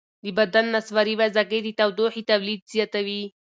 د بدن نسواري وازګې د تودوخې تولید زیاتوي.